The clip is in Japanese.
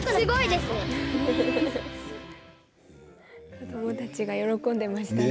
子どもたちが喜んでいましたね。